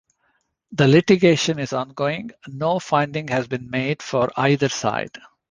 The litigation is ongoing; no finding has been made for either side.